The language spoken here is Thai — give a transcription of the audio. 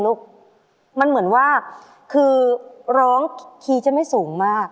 ลูกมันเหมือนว่าคือร้องคีย์จะไม่สูงมาก